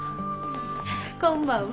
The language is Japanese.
こんばんは。